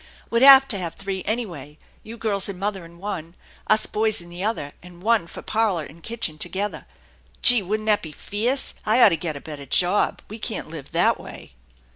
We'd have to have three anyway, you girls and mother in one, us boys in the other, and one for parlor and kitchen together. Gee ! Wouldn't that be fierce ? I oughtta get a better job. We can't live that way."